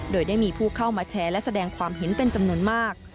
โดยได้มีผู้เข้ามาแชร์และแสดงความเห็นเป็นจำนวนมาก